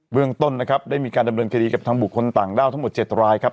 เรื่องต้นนะครับได้มีการดำเนินคดีกับทางบุคคลต่างด้าวทั้งหมด๗รายครับ